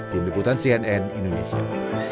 tim liputan cnn indonesia